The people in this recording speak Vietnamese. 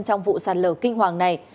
trong vụ sạt lở kinh hoàng này